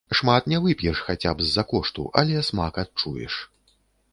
Шмат не вып'еш, хаця б з-за кошту, але смак адчуеш.